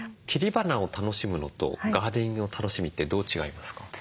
切り花を楽しむのとガーデニングの楽しみってどう違いますか？